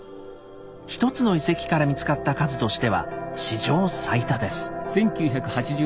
１つの遺跡から見つかった数としては史上最多です。